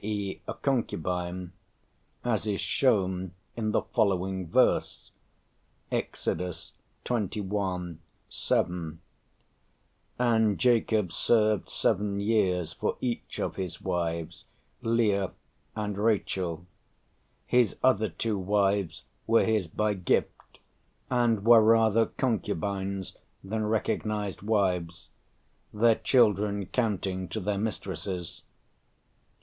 e., a concubine, as is shown by the following verse (Ex. xxi. 7), and Jacob served seven years for each of his wives, Leah and Rachel; his other two wives were his by gift, and were rather concubines than recognised wives, their children counting to their mistresses.